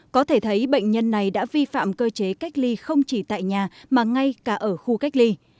có thể thấy bệnh nhân này đã vi phạm cơ chế cách ly không chỉ tại nhà mà ngay cả ở khu cách ly